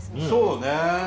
そうねぇ。